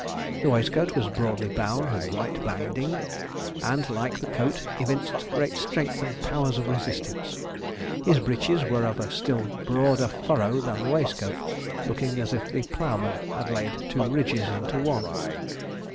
The waistcoat was broadly bound with white binding, and, like the coat, evinced great strength and powers of resistance. His breeches were of a still broader furrow than the waistcoat, looking as if the ploughman had laid two ridges into one.